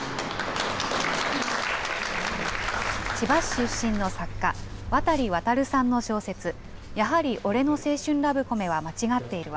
千葉市出身の作家、渡航さんの小説、やはり俺の青春ラブコメはまちがっている。